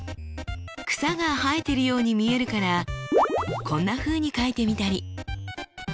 草が生えているように見えるからこんなふうに書いてみたり。